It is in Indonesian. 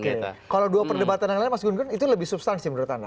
oke kalau dua perdebatan yang lain mas gun gun itu lebih substansi menurut anda